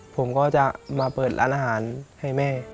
ผมก็จะมาเปิดร้านอาหารให้แม่